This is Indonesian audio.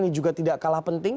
ini juga tidak kalah penting